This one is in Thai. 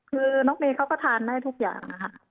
คือน้องเมย์เขาก็ทานได้ทุกอย่างนะคะ